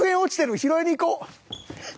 拾いに行こ。